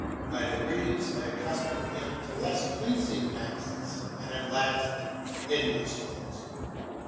By degrees I accustom him to less pleasing masks, and at last hideous ones.